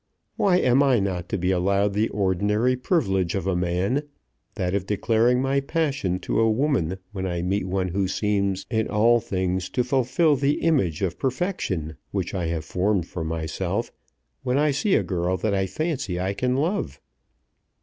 Why am I not to be allowed the ordinary privilege of a man, that of declaring my passion to a woman when I meet one who seems in all things to fulfil the image of perfection which I have formed for myself, when I see a girl that I fancy I can love?"